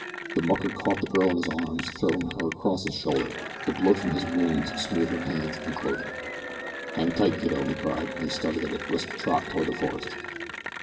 The mucker caught the girl in his arms, throwing her across his shoulder. The blood from his wounds smeared her hands and clothing. "Hang tight, kiddo," he cried, and started at a brisk trot toward the forest.